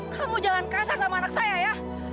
kamu jangan kerasa sama anak saya ya